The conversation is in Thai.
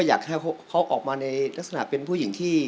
อยากให้เขาออกมาในลักษณะเป็นผู้หญิงที่